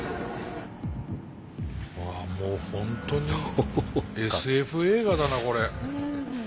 うわもうホントにＳＦ映画だなこれ。